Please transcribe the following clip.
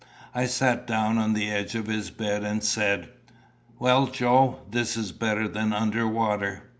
I sat down on the edge of his bed, and said, "Well, Joe, this is better than under water.